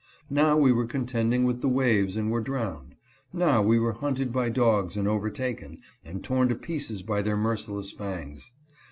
Now we were contending with the waves and were drowned. Now we were hunted by dogs and overtaken, and torn to pieces by their merciless fangs.